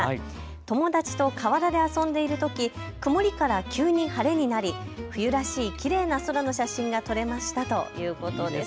友達と河原で遊んでいるとき曇りから急に晴れになり冬らしいきれいな空の写真が撮れましたということです。